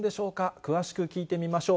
詳しく聞いてみましょう。